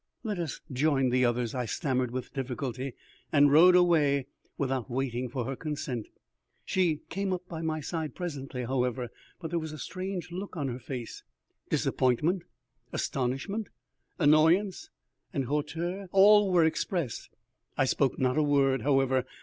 "Let us join the others," I stammered with difficulty, and rode away without waiting for her consent. She came up by my side again presently, however, but there was a strange look on her face. Disappointment, astonishment, annoyance, and hauteur, all were expressed. I spoke not a word, however.